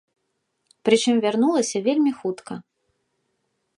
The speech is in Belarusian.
Прычым вярнулася вельмі хутка.